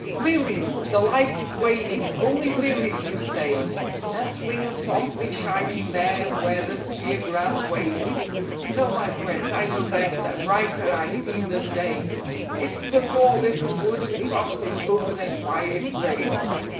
LILIES (the light is waning), only lilies you say, Nestling and softly shining there where the spear grass waves. No, my friend, I know better; brighter I see than day: It's the poor little wooden crosses over their quiet graves.